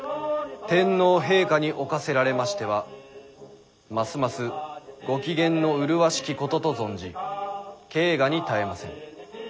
「天皇陛下におかせられましてはますますご機嫌の麗しきことと存じ慶賀に堪えません。